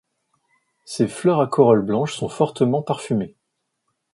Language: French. Ses fleurs à corolles blanches sont fortement parfumées.